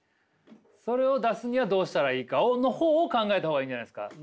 それを出すにはどうしたらいいかの方を考えた方がいいんじゃないですか。